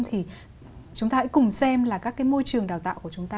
thì chúng ta hãy cùng xem là các cái môi trường đào tạo của chúng ta